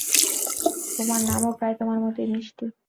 তোমার নামও প্রায় তোমার মতই মিষ্টি।